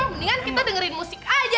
mendingan kita dengerin musik aja